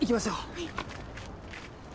はい。